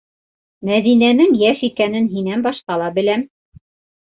Мәҙинәнең йәш икәнен һинән башҡа ла беләм!